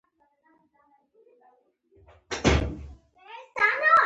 دا نظامونه د نامسلمانو په توطیو واک ته رسېدلي دي.